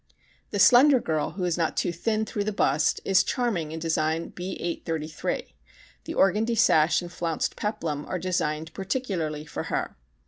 The slender girl who is not too thin through the bust is charming in design B 833. The organdy sash and flounced peplum are designed particularly for her.